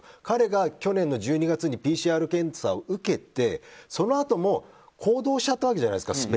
彼が去年の１２月にＰＣＲ検査を受けてそのあとも行動しちゃったじゃないですか。